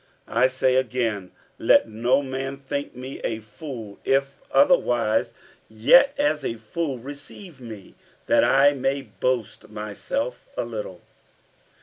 47:011:016 I say again, Let no man think me a fool; if otherwise, yet as a fool receive me, that I may boast myself a little.